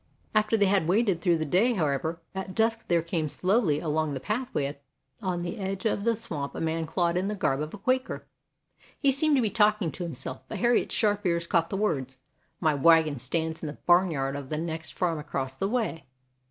After they had waited through the day, however, at dusk there came slowly along the pathway on the edge of the swamp a man clad in the garb of a Quaker. He seemed to be talking to himself, but Harriet's sharp ears caught the words: "My wagon stands in the barnyard of the next farm across the way.